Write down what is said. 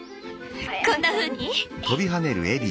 こんなふうに？